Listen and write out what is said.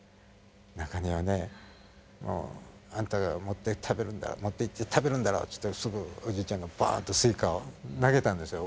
中にはね「あんたが持っていって食べるんだろう」って言ってすぐおじいちゃんがバーンとスイカを投げたんですよ。